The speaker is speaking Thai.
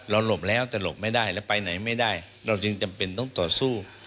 หลบแล้วแต่หลบไม่ได้แล้วไปไหนไม่ได้เราจึงจำเป็นต้องต่อสู้